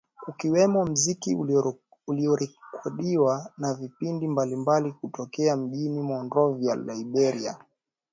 Kukiwemo muziki uliorekodiwa na vipindi mbalimbali kutokea mjini Monrovia, Liberia.